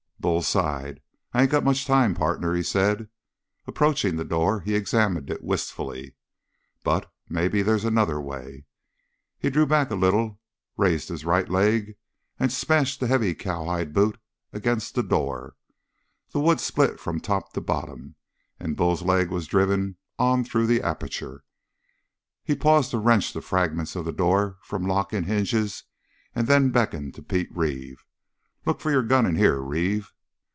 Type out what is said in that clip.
Bull sighed. "I ain't got much time, partner," he said. Approaching the door, he examined it wistfully. "But, maybe, they's another way." He drew back a little, raised his right leg, and smashed the heavy cowhide boot against the door. The wood split from top to bottom, and Bull's leg was driven on through the aperture. He paused to wrench the fragments of the door from lock and hinges and then beckoned to Pete Reeve. "Look for your gun in here, Reeve."